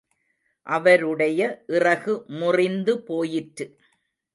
அவருடைய இறகு முறிந்து போயிற்று.